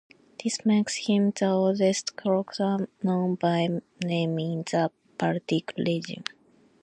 This makes him the oldest clockmaker known by name in the Baltic region.